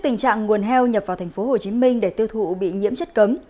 nguồn heo nhập vào tp hcm để tiêu thụ bị nhiễm chất cấm